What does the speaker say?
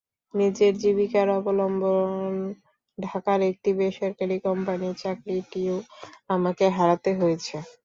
নিজের জীবিকার অবলম্বন ঢাকার একটি বেসরকারি কোম্পানির চাকরিটিও আমাকে হারাতে হয়েছে।